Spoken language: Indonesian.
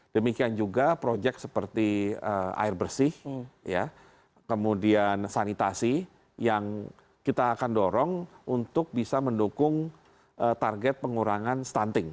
demikian juga proyek seperti air bersih kemudian sanitasi yang kita akan dorong untuk bisa mendukung target pengurangan stunting